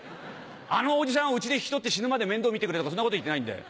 あのおじさんをうちで引き取って死ぬまで面倒見てくれとかそんなこと言ってないんだよ。